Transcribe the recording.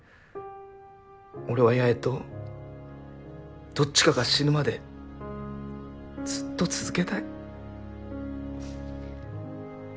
俺は八重とどっちかが死ぬまでずっと続けたい。